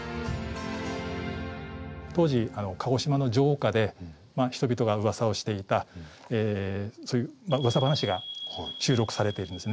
当時鹿児島の城下で人々がうわさをしていたそういううわさ話が収録されているんですね。